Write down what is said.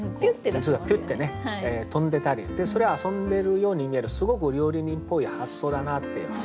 水がピュッてね飛んでたりそれ遊んでるように見えるすごく料理人っぽい発想だなって。